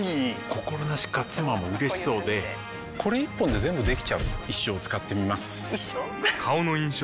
心なしか妻も嬉しそうでこれ一本で全部できちゃう一生使ってみます一生？